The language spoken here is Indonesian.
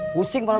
pusing kepala gua